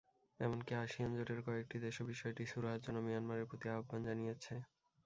এমনকি আসিয়ান জোটের কয়েকটি দেশও বিষয়টি সুরাহার জন্য মিয়ানমারের প্রতি আহ্বান জানিয়েছে।